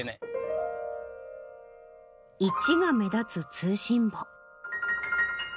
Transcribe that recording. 「１」が目立つ通信簿。